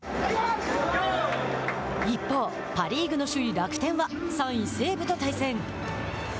一方、パ・リーグの首位楽天は３位西武と対戦。